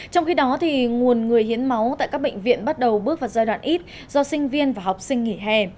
trong khi đó nguồn người hiến máu tại các bệnh viện bắt đầu bước vào giai đoạn ít do sinh viên và học sinh nghỉ hè